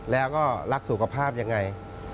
แล้วก็รักสุขภาพยังไง